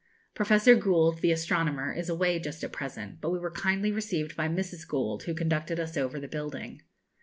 Professor Gould, the astronomer, is away just at present, but we were kindly received by Mrs. Gould, who conducted us over the building.